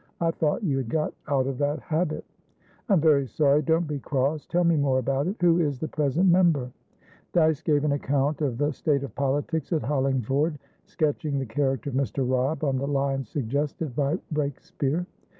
I thought you had got out of that habit." "I'm very sorry. Don't be cross. Tell me more about it. Who is the present member?" Dyce gave an account of the state of politics at Hollingford, sketching the character of Mr. Robb on the lines suggested by Breakspeare.